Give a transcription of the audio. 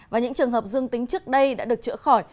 và những trường hợp dương tính trước đây đã được chữa khỏi